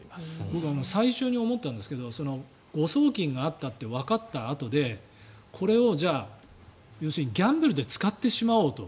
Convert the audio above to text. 僕最初に思ったんですけど誤送金があったってわかったあとでこれをギャンブルで使ってしまおうと。